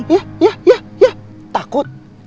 yah yah yah yah takut